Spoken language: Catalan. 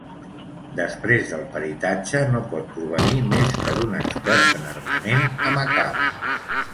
Després del peritatge, no pot provenir més que d'un expert en armament a Macau.